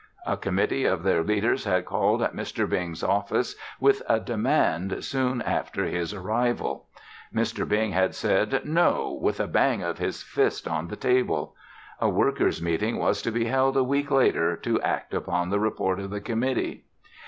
A committee of their leaders had called at Mr. Bing's office with a demand soon after his arrival. Mr. Bing had said "no" with a bang of his fist on the table. A worker's meeting was to be held a week later to act upon the report of the committee.